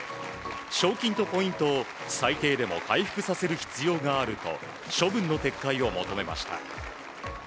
賞金とポイントを最低でも回復させる必要があると処分の撤回を求めました。